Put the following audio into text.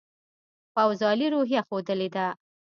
پوځ عالي روحیه ښودلې ده.